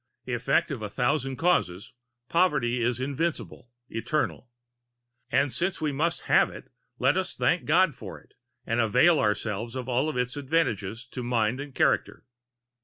Effect of a thousand causes, poverty is invincible, eternal. And since we must have it let us thank God for it and avail ourselves of all its advantages to mind and character.